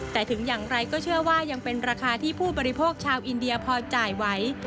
แต่ถึงอย่างไรก็เชื่อว่ายังเป็นราคาที่ผู้บริโภคชาวอินเดียพอจ่ายไว้